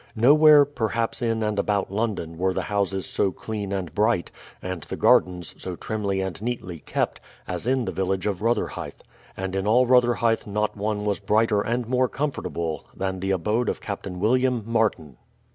Nowhere, perhaps, in and about London were the houses so clean and bright, and the gardens so trimly and neatly kept, as in the village of Rotherhithe, and in all Rotherhithe not one was brighter and more comfortable than the abode of Captain William Martin.